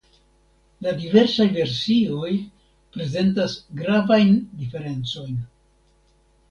La diversaj versioj prezentas gravajn diferencojn.